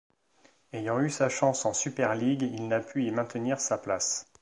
Ayant eu sa chance en Super League, il n'a pu y maintenir sa place.